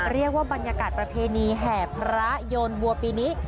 เรียกว่าบรรยากาศประเพณีแห่พระโยนวัวปีนี้